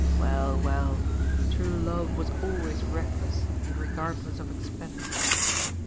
*' Well, well, true love was always reckless and regardless of expense."